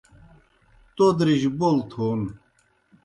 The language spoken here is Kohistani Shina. تودرِجیْ بول تھون